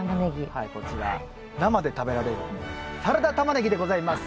はいこちら生で食べられるサラダタマネギでございます。